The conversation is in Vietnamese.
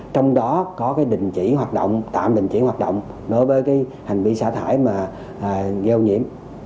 trong đó có tạm đình chỉ hoạt động đối với hành vi xả thải ghi ô nhiễm